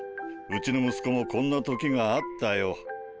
うちの息子もこんな時があったよ。